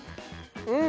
うん！